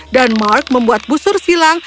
dan mark membuat busur silang